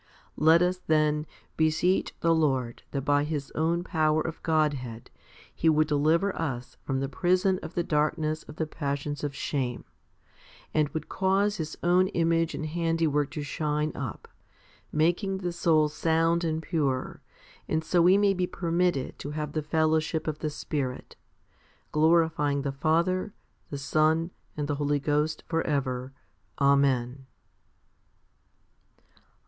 Let us, then, beseech the Lord that by His own power of Godhead He would deliver us from the prison of the darkness of the passions of shame, and would cause His own image and handiwork to shine up, making the soul sound and pure, and so we may be permitted to have the fellowship of the Spirit, glorifying the Father, the Son, and the Holy Ghost, for ever. Amen.